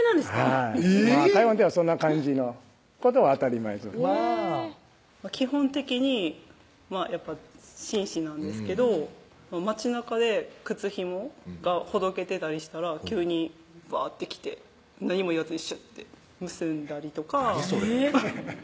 はい台湾ではそんな感じのことは当たり前基本的にやっぱ紳士なんですけど街中で靴紐がほどけてたりしたら急にバッて来て何も言わずにシュッて結んだりとか何？